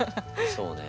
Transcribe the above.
そうね。